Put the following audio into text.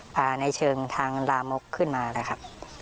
ในเชิงทางลามกขึ้นมาเลยครับ